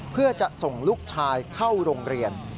เพื่อจะส่งลูกชายเข้าโรงเรียน